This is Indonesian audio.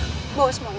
jangan sampai lengah